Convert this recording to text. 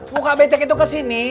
muka becek itu kesini